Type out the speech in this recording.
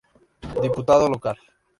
Diputado Local.